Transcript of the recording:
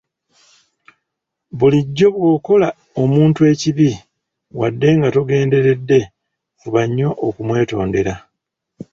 Bulijjo bw’okola omuntu ekibi wadde nga togenderedde fuba nnyo okumwetondera.